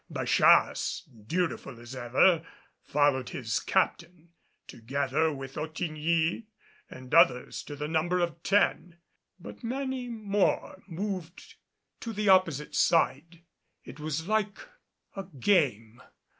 Bachasse, dutiful as ever, followed his captain, together with Ottigny and others to the number of ten. But many more moved to the opposite side. It was like a game.